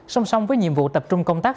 song song với nhiệm vụ tập trung công tác